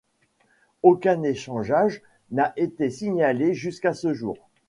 Aucun échouage n'a été signalé jusqu'à ce jour.